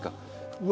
うわ！